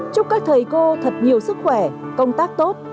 chúc các thầy cô thật nhiều sức khỏe công tác tốt